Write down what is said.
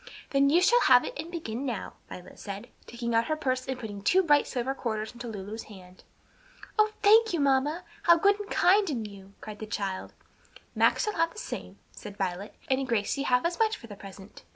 "Then you shall have it and begin now," Violet said, taking out her purse and putting two bright silver quarters into Lulu's hand. "Oh, thank you, mamma, how good and kind in you!" cried the child. "Max shall have the same," said Violet, "and Gracie half as much for the present.